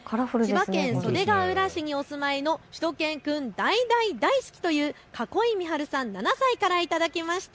千葉県袖ケ浦市にお住まいのしゅと犬くん大大大好き！というかこいみはるさん、７歳から頂きました。